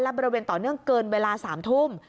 บริเวณต่อเนื่องเกินเวลา๓ทุ่ม